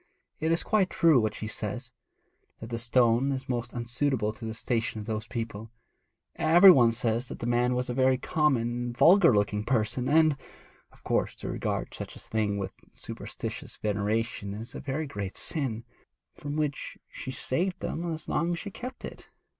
It is quite true what she says: that the stone was most unsuitable to the station of those people; every one says that the man was a very common and vulgar looking person; and of course to regard such a thing with superstitious veneration is a very great sin, from which she saved them as long as she kept it.